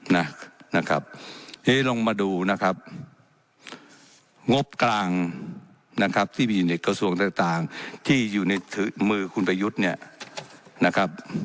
นี่ลงมาดูนะครับงบกลางนะครับที่มีในกระทรวงต่างที่อยู่ในมือคุณประยุทธ์เนี่ยนะครับ